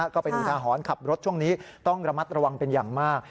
ก็เป็นอุทาหรณ์ขับรถช่วงนี้ต้องระมัดระวังเป็นอย่างมาก